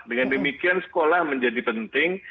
dengan demikian sekolah menjadi penting